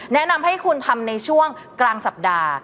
แนะนำให้คุณทำในช่วงกลางสัปดาห์